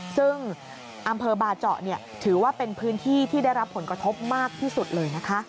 ซึ่งอำเภอบาเจาะถือว่าเป็นพื้นที่ที่ได้รับผลกระทบมากที่สุดเลยนะคะ